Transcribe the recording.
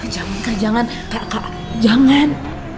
jangan kak jangan